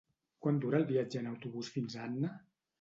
Quant dura el viatge en autobús fins a Anna?